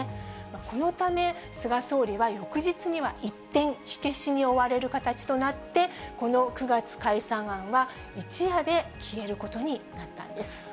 このため、菅総理は翌日には一転、火消しに追われる形となって、この９月解散案は一夜で消えることになったんです。